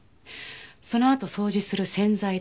そのあと掃除する洗剤代